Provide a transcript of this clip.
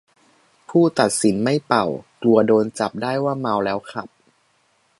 ผู้ตัดสินไม่เป่า กลัวโดนจับได้ว่าเมาแล้วขับ